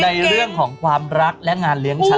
ในเรื่องของความรักและงานเลี้ยงฉัน